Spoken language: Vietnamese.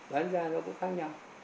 bán ra nó cũng khác nhau